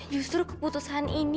justru keputusan ini